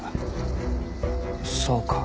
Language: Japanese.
そうか。